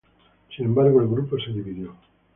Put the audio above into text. Sin embargo, el grupo se dividió.